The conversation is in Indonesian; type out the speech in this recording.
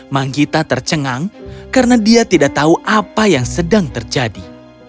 manggita tercengang karena dia tidak tahu apa yang sedang terjadi